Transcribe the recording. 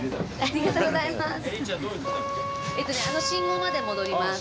あの信号まで戻ります。